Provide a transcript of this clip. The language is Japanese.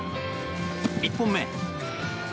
１本目。